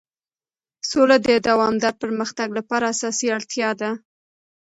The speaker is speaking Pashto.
سوله د دوامدار پرمختګ لپاره اساسي اړتیا ده.